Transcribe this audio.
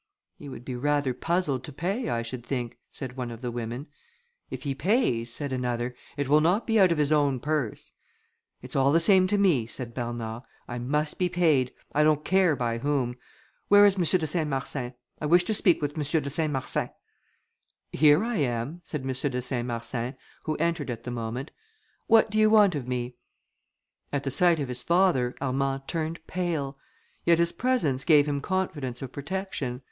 "He would be rather puzzled to pay, I should think," said one of the women. "If he pays," added another, "it will not be out of his own purse." "It's all the same to me," said Bernard. "I must be paid: I don't care by whom. Where is M. de Saint Marsin? I wish to speak with M. de Saint Marsin!" "Here I am," said M. de Saint Marsin, who entered at the moment. "What do you want of me?" At the sight of his father, Armand turned pale; yet his presence gave him confidence of protection.